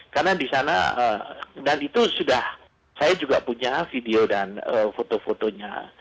karena di sana dan itu sudah saya juga punya video dan foto fotonya